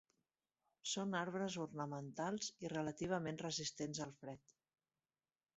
Són arbres ornamentals i relativament resistents al fred.